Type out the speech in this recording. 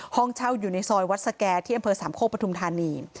ห้องเช่าอยู่ในซอยวัดสะแก๊ที่อำเภอสามโคส์พระมันทุนทานี